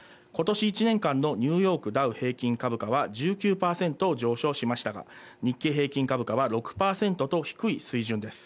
今年１年間のニューヨークダウ平均株価は１９％上昇しましたが、日経平均株価は６％と低い水準です。